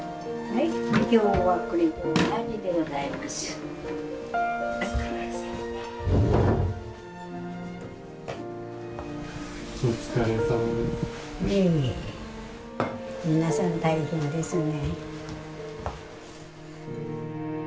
いえいえ皆さん大変ですね。